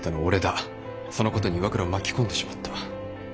そのことに岩倉を巻き込んでしまった。